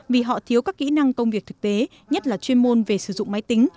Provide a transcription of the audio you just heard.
vì họ thiếu các kỹ năng công việc thực tế nhất là chuyên môn về sử dụng máy tính